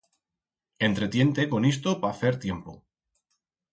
Entretién-te con isto pa fer tiempo.